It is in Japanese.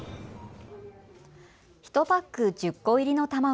１パック１０個入りの卵。